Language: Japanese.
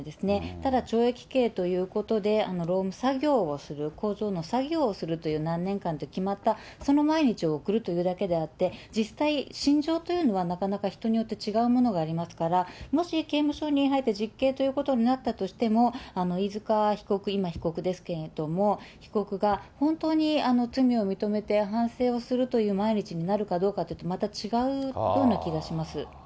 ただ懲役刑ということで、労務作業をする、工場の作業をするという、何年間決まった、その毎日を送るというだけであって、実際、心情というのはなかなか人によって違うものがありますから、もし刑務所に入って実刑ということになったとしても、飯塚被告、今被告ですけれども、被告が本当に罪を認めて、反省をするという毎日になるかどうかというと、また違うような気がします。